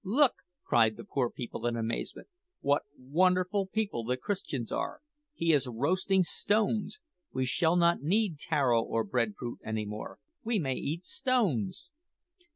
look!' cried the poor people in amazement; `what wonderful people the Christians are! He is roasting stones! We shall not need taro or bread fruit any more; we may eat stones!'